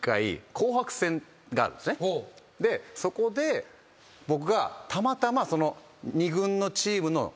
そこで僕がたまたま。